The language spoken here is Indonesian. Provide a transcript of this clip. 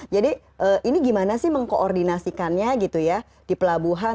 jadi ini gimana sih mengkoordinasikannya di pelabuhan